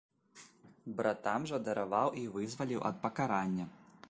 Братам жа дараваў і вызваліў ад пакарання.